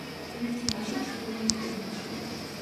ერთი ნიში ჩრდილოეთ კედელშია.